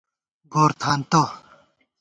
گورتھانتہ